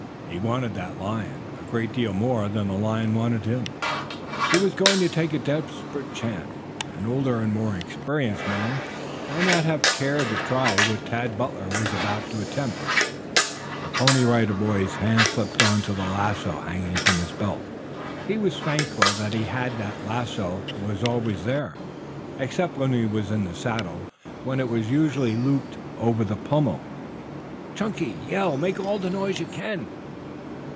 He wanted that lion a great deal more than the lion wanted him. He was going to take a desperate chance. An older and more experienced man might not have cared to try what Tad Butler was about to attempt. The Pony Rider boy's hand slipped down to the lasso hanging from his belt. He was thankful that he had that. The lasso was always there except when he was in the saddle, when it was usually looped over the pommel. "Chunky, yell! Make all the noise you can."